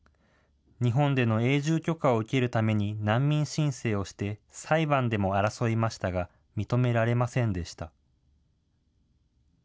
日本での永住許可を受けるために難民申請をして、裁判でも争いましたが、認められませんでした。